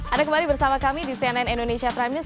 ada kembali bersama kami di cnn indonesia prime news